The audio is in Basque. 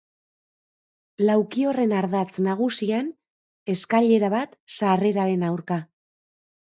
Lauki horren ardatz nagusian, eskailera bat sarreraren aurka.